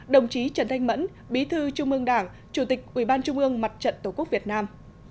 đồng chí trần thanh mẫn bí thư trung ương đảng chủ tịch ủy ban trung ương mặt trận tổ quốc việt nam